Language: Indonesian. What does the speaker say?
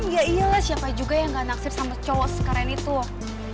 ya iyalah siapa juga yang gak naksir sama cowok sekeren itu loh